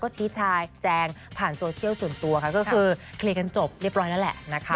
ชี้แจงแจงผ่านโซเชียลส่วนตัวค่ะก็คือเคลียร์กันจบเรียบร้อยแล้วแหละนะคะ